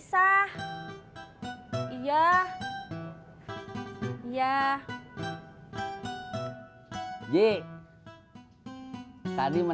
suara tolong efek peman comme trude bagaimana